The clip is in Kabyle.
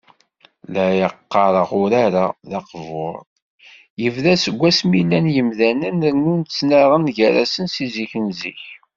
La aɣ-qqaren, urar-a, d aqbur: yebda seg wasmi llan yimdanen, rnu ttnaɣen gar-asen seg zik n zik.